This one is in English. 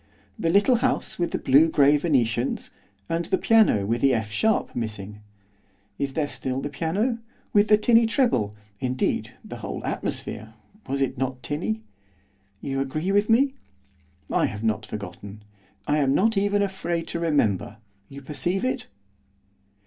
The little house with the blue grey venetians, and the piano with the F sharp missing? Is there still the piano? with the tinny treble, indeed, the whole atmosphere, was it not tinny? You agree with me? I have not forgotten. I am not even afraid to remember, you perceive it?